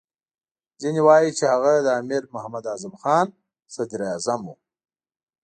ځینې وایي چې هغه د امیر محمد اعظم خان صدراعظم وو.